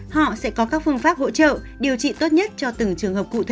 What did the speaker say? họ sẽ có các phương pháp hỗ trợ điều trị tốt nhất cho từng trường hợp cụ thể